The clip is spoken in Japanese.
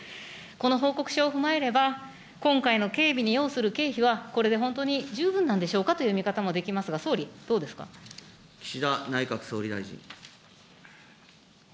この報告書を踏まえれば、今回の警備に要する経費は、これで本当に十分なんでしょうかという見方もできますが、総理、岸田内閣総理大臣。